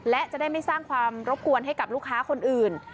และจะได้ไม่สร้างความรบกวนให้กับลูกค้าคนอื่น